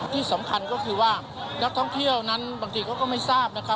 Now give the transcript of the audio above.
ที่สำคัญก็คือว่านักท่องเที่ยวนั้นบางทีเขาก็ไม่ทราบนะคะ